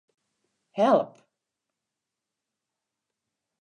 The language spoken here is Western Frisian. Help.